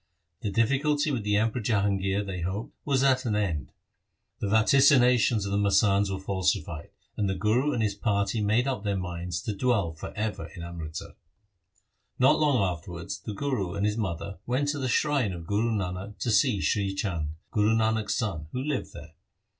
The difficulty with the Emperor Jahangir, they hoped, was at an end. The vaticinations of the masands were falsified, and the Guru and his party made up their minds to dwell for ever in Amritsar. 1 Not long afterwards the Guru and his mother went to the shrine of Guru Nanak to see Sri Chand, Guru Nanak's son, who lived there.